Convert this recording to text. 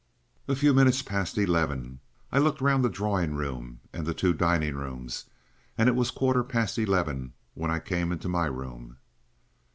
"A few minutes past eleven. I looked round the drawing room and the two dining rooms, and it was a quarter past eleven when I came into my room."